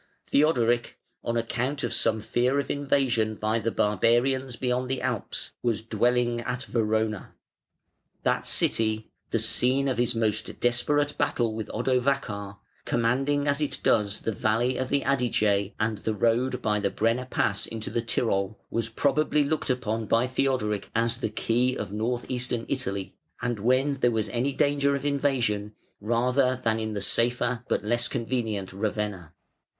Theodoric, on account of some fear of invasion by the barbarians beyond the Alps, was dwelling at Verona. That city, the scene of his most desperate battle with Odovacar, commanding as it does the valley of the Adige and the road by the Brenner Pass into the Tyrol, was probably looked upon by Theodoric as the key of north eastern Italy, and when there was any danger of invasion he preferred to hold his court there rather than in the safer but less convenient Ravenna.